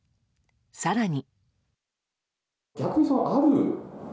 更に。